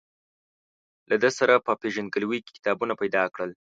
له ده سره په پېژندګلوۍ کتابونه پیدا کړل.